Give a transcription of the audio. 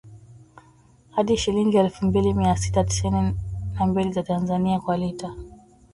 hadi shilingi elfu mbili mia sita tisini na mbili za Tanzania kwa lita